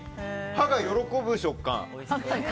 歯が喜ぶ食感。